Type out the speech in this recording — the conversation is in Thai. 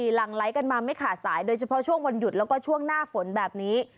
หลังไลค์กันมาไม่ขาดสายโดยเฉพาะช่วงวันหยุดแล้วก็ช่วงหน้าฝนแบบนี้